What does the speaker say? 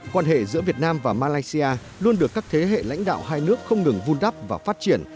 quan hệ giữa việt nam và malaysia luôn được các thế hệ lãnh đạo hai nước không ngừng vun đắp và phát triển